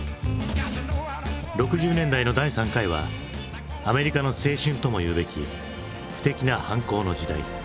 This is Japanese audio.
６０年代の第３回はアメリカの青春ともいうべき不敵な反抗の時代。